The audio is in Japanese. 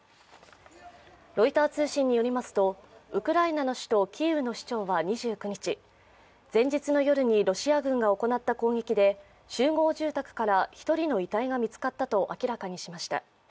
ロイター通信によりますとウクライナの首都キーウの市長は２９日、前日の夜にロシア軍が行った攻撃で集合住宅から１人の遺体が見つかったと明らかにしました。